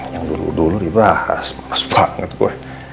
yang dulu dulu dibahas males banget gue